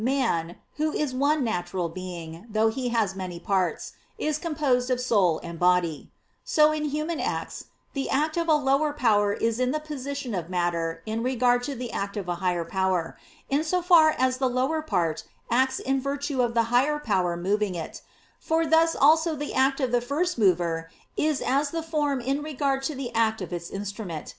man, who is one natural being, though he has many parts, is composed of soul and body); so, in human acts, the act of a lower power is in the position of matter in regard to the act of a higher power, in so far as the lower power acts in virtue of the higher power moving it: for thus also the act of the first mover is as the form in regard to the act of its instrument.